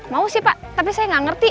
mau sih pak tapi saya nggak ngerti